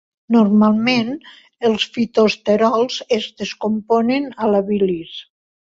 Normalment, els fitosterols es descomponen a la bilis.